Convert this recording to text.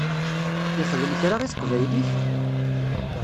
Yexdem kra i teqbaylit?